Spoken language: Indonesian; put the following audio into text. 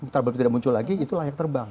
terlebih tidak muncul lagi itu layak terbang